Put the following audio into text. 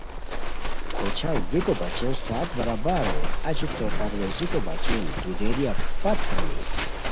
ویچھاؤ گیکو بچین ساعت برابر ہوئے اچی تو پرویزیکو بچن دودیریا پت ہانی